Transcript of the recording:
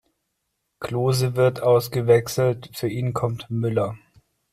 Klose wird ausgewechselt, für ihn kommt Müller.